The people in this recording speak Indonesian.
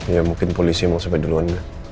ya mungkin polisi mau sampai duluan